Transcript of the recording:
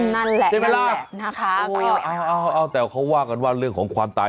นั่นแหละถิ่นเวลาอ้าวแต่เค้าว่ากันว่าเรื่องของความตาย